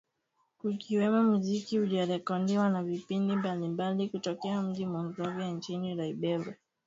kukiwemo muziki uliorekodiwa na vipindi mbalimbali kutokea mjini Monrovia nchini Liberia